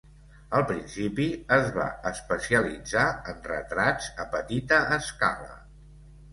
Al principi es va especialitzar en retrats a petita escala.